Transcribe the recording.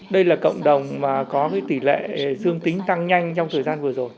đây là cộng đồng mà có tỷ lệ dương tính tăng nhanh trong thời gian vừa rồi